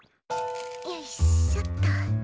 よいしょっと。